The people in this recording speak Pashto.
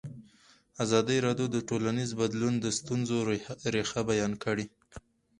ازادي راډیو د ټولنیز بدلون د ستونزو رېښه بیان کړې.